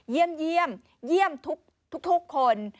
เยี่ยมเยี่ยมทุกคน